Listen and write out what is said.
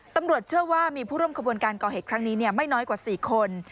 ตำรวจเชื่อว่ามีผู้ร่วมขบวนการก่อเหตุครั้งนี้ไม่น้อยกว่า๔คน